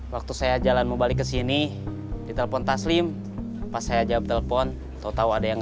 waktu saya jalan mau balik ke sini di telepon taslim pas saya jawab telepon tau tau ada yang